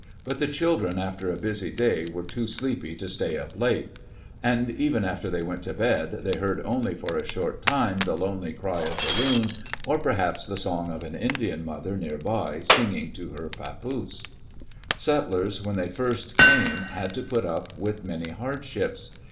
But the children, after a busy day, were too sleepy to stay up late. And even after they went to bed, they heard only for a short time the lonely cry of the loon, or perhaps the song of an Indian mother near by, singing to her papoose. Settlers when they first came had to put up with many hardships.